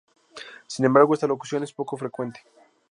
Sin embargo esta locución es poco frecuente.